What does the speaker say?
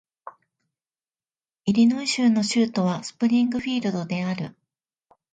イリノイ州の州都はスプリングフィールドである